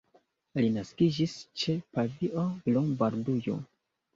Li naskiĝis ĉe Pavio, Lombardujo.